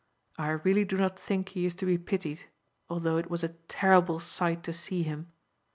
I really do not think he is to be pitied, although it was a terrible sight to see him.